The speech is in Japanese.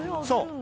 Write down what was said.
そう。